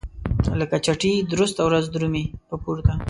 لکه چتي درسته ورځ درومي په پورته.